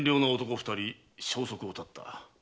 二人消息を絶った。